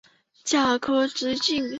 甲壳直径。